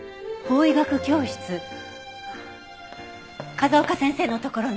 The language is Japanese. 風丘先生のところの？